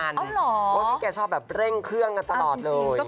อ๋อเหรอว่าที่แกชอบแบบเร่งเครื่องกันตลอดเลยจริง